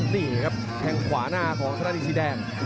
นี่ครับแข่งขวาหน้าของธนาทีสีแดง